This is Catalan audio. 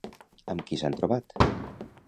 Amb qui s'han trobat?